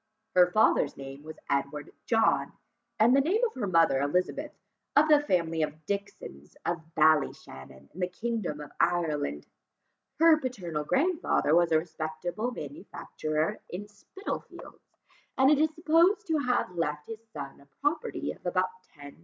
Her father's name was Edward John, and the name of her mother Elizabeth, of the family of Dixons of Ballyshannon in the kingdom of Ireland: her paternal grandfather was a respectable manufacturer in Spitalfields, and is supposed to have left to his son a property of about 10,000l.